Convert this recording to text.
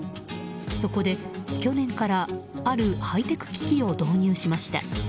そこで、去年からあるハイテク機器を導入しました。